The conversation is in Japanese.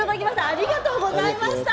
ありがとうございます。